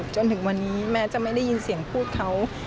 จนถึงวันนี้แม้จะไม่ได้ยินเสียงพูดเขา